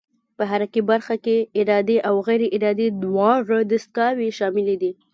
په حرکي برخه کې ارادي او غیر ارادي دواړه دستګاوې شاملې دي.